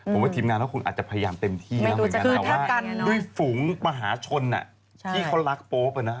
ผมว่าทีมงานคงอาจจะพยายามเต็มที่นะเพราะว่าด้วยฝุงมหาชนที่เขารักโป๊ปนะ